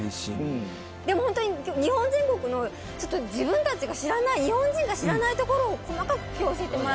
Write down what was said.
でも本当に日本全国の自分たちが知らない日本人が知らない所を細かく今日は教えてもらえたんで。